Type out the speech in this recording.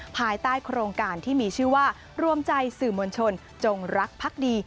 ภายใต้โครงการที่มีชื่อว่ารวมใจสื่อมวลชนจงรักพักดี